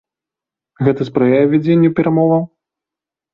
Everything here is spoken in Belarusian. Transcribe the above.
Гэта спрыяе вядзенню перамоваў?